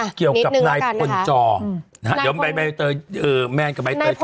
อ่ะเกี่ยวกับนายกับขนจอน้ายกับแม่ง